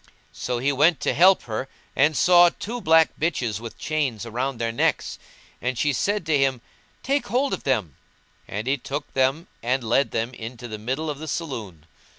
So he went to help her and saw two black bitches with chains round their necks; and she said to him, "Take hold of them;" and he took them and led them into the middle of the saloon.